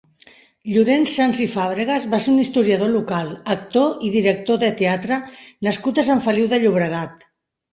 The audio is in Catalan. Llorenç Sans i Fàbregas va ser un historiador local, actor i director de teatre nascut a Sant Feliu de Llobregat.